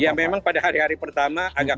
ya memang pada hari hari pertama agak